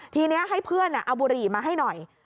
ทีนี้ให้เพื่อนเอาบุหรี่มาให้หน่อย